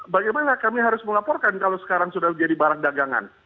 bagaimana kami harus melaporkan kalau sekarang sudah menjadi barang dagangan